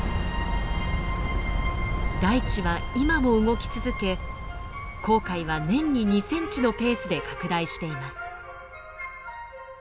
大地は今も動き続け紅海は年に２ｃｍのペースで拡大しています。